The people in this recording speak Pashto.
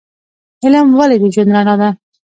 علم ولې د ژوند رڼا ده؟